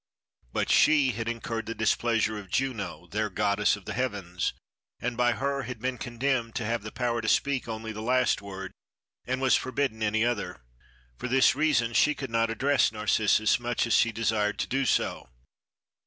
But she had incurred the displeasure of Juno, their goddess of the heavens, and by her had been condemned to have the power to speak only the last word and was forbidden any other. For this reason she could not address Narcissus, much as she desired to do so.